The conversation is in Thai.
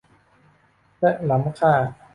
และล้ำค่า